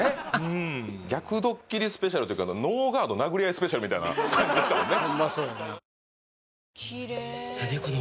逆ドッキリＳＰというかノーガード殴り合いＳＰみたいな感じでしたもんね